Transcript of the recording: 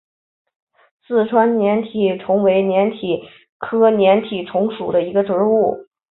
四川粘体虫为粘体科粘体虫属的动物。